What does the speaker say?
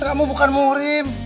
kamu bukan murim